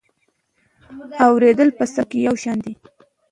اورېدل په څپو کې یو شان دي.